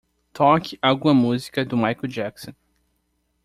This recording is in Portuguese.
Toque alguma música do Michael Jackson.